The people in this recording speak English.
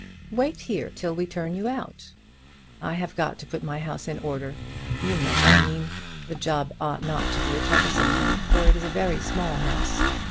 "Wait here till we turn you out." "I have got to put my house in order. You know what I mean. The job ought not to be a troublesome one, for it is a very small house."